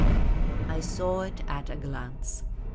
I saw it at a glance.